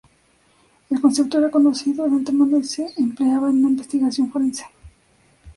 El concepto era conocido de antemano, y se empleaba en la investigación forense.